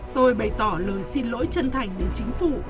tôi bày tỏ lời xin lỗi chân thành đến chính phủ